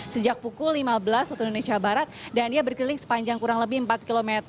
sejak pukul lima belas waktu indonesia barat dan dia berkeliling sepanjang kurang lebih empat km